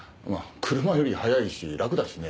車より早いし楽だしね。